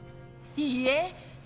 いいえ。